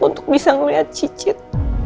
untuk bisa ngelihat cicit